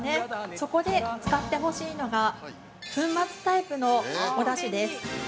そこで使ってほしいのが粉末タイプのおだしです。